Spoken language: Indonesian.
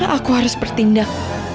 aku harus bertindak